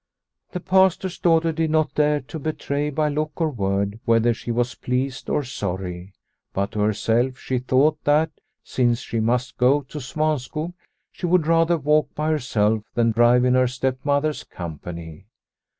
The Pastor's daughter did not dare to betray by look or word whether she was pleased or The Silver Thaler 131 sorry. But to herself she thought that, since she must go to Svanskog, she would rather walk by herself than drive in her stepmother's company.